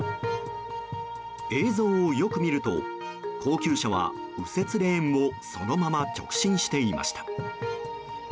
映像をよく見ると高級車は、右折レーンをそのまま直進していました。